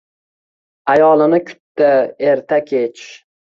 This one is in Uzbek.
Ayolini kutdi erta-kech.